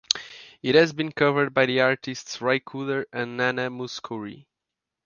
It has been covered by the artists Ry Cooder and Nana Mouskouri.